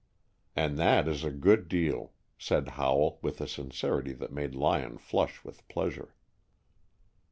"And that is a good deal," said Howell, with a sincerity that made Lyon flush with pleasure.